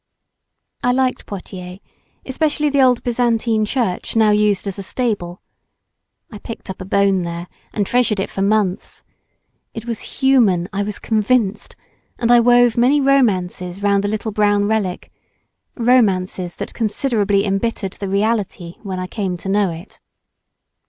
I liked Poitiers—especially the old Byzantine church now used as a stable. I picked up a bone there, and treasured it for months. It was human, I was convinced, and I wove many romances round the little brown relic romances that considerably embittered the reality when I came to know it.